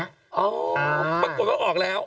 อ๋อประกวดเขาออกแล้ว